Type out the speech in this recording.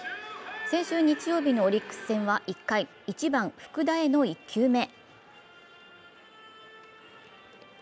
先週日曜日のオリックス戦は１回、１番・福田への１球目。